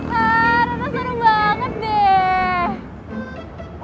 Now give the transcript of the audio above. tarotnya seru banget deh